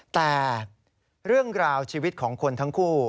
แต่เรื่องราวชีวิตของคนทั้งคู่